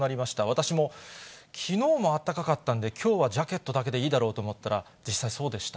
私も、きのうもあったかかったんで、きょうはジャケットだけでいいだろうと思ったら、実際、そうでした。